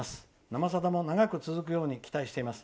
「生さだ」も長く続くように期待しています。